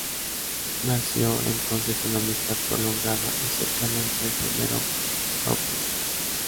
Nació entonces una amistad prolongada y cercana entre el primero y Ophüls.